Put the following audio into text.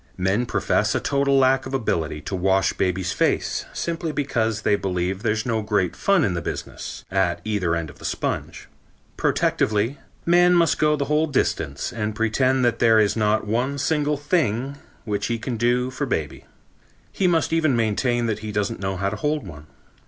Men profess a total lack of ability to wash baby's face simply because they believe there's no great fun in the business, at either end of the sponge. Protectively, man must go the whole distance and pretend that there is not one single thing which he can do for baby. He must even maintain that he doesn't know how to hold one.